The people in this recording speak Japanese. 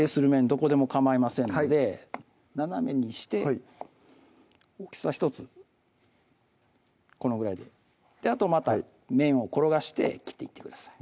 どこでもかまいませんので斜めにして大きさ１つこのぐらいであとまた面を転がして切っていってください